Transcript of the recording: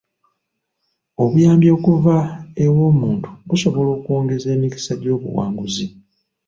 Obuyambi okuva ew'omuntu busobola okwongeza emikisa gy'obuwanguzi.